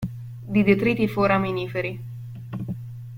Di detriti foraminiferi.